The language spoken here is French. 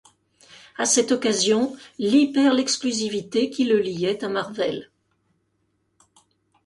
À cette occasion, Lee perd l'exclusivité qui le liait à Marvel.